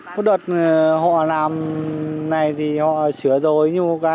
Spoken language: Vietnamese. có đợt họ làm này thì họ sửa rồi